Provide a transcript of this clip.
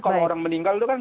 kalau orang meninggal itu kan